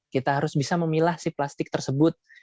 kita harus bisa memilah si plastik tersebut